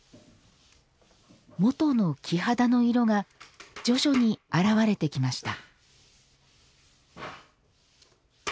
元の木肌の色が徐々にあらわれてきました。